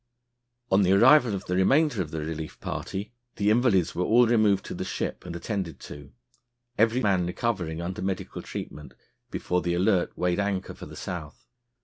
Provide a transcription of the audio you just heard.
On the arrival of the remainder of the relief party, the invalids were all removed to the ship and attended to, every man recovering, under medical treatment, before the Alert weighed anchor for the South.